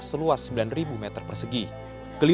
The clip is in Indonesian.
seluas sembilan meter persegi